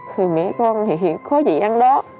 thì mẹ con thì có gì ăn đó